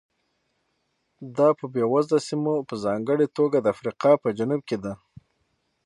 دا په بېوزله سیمو په ځانګړې توګه د افریقا په جنوب کې ده.